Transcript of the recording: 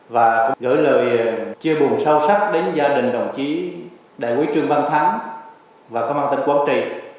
và gửi lời chia bùn sâu sắc đến gia đình đồng chí đại quý trương văn thắng và các mang tên quán trị